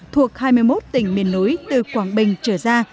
thuộc hai mươi một tỉnh miền núi từ quảng bình trở ra